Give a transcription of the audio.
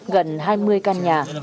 gần hai mươi căn nhà